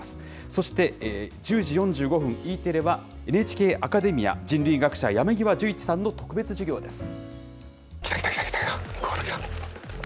そして１０時４５分、ＥテレはＮＨＫアカデミア、人類学者、山極壽一さんの特別授業です。